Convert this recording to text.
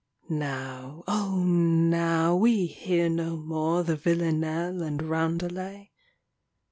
Now, O now, we hear no more The vilanelle and roundelay !